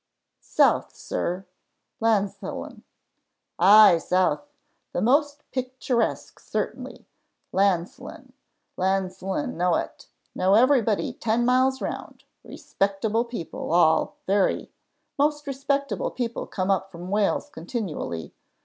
"South, sir. Llansillen." "Ay, South. The most picturesque certainly. Llansillen, Llansillen; know it; know everybody ten miles round. Respectable people all very; most respectable people come up from Wales continually.